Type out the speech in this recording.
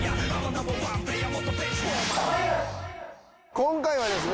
今回はですね